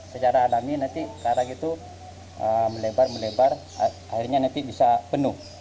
secara alami nanti karang itu melebar melebar akhirnya nanti bisa penuh